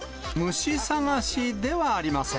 虫探しではありません。